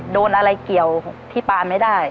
โดนอะไรเกี่ยวที่ปานไม่ได้